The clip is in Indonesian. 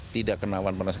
tidak kena awan panasnya